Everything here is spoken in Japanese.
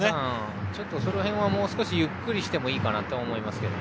その辺はもう少しゆっくりしてもいいかなと思います。